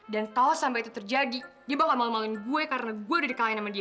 dan kau sampai itu terjadi dia bakal malu maluin gue karena gue udah dikalahin sama dia